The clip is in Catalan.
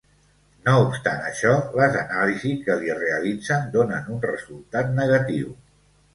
No obstant això, les anàlisis que li realitzen donen un resultat negatiu.